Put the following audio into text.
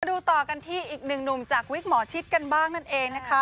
ดูต่อกันที่อีกหนึ่งหนุ่มจากวิกหมอชิดกันบ้างนั่นเองนะคะ